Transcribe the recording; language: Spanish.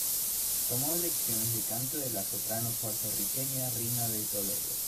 Tomó lecciones de canto de la soprano puertorriqueña Rina de Toledo.